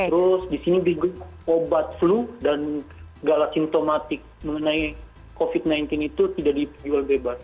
terus di sini obat flu dan galak sintomatik mengenai covid sembilan belas itu tidak di jual bebas